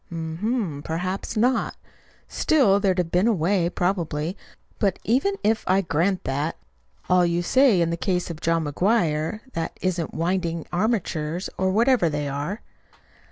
"Hm m, perhaps not. Still there'd have been a way, probably. But even if I grant that all you say in the case of John McGuire that isn't winding armatures, or whatever they are."